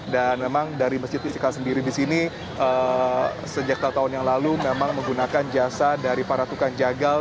dan memang dari masjid istiqlal sendiri di sini sejak tahun yang lalu memang menggunakan jasa dari para tukang jagal